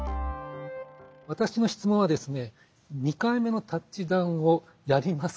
私の質問はですね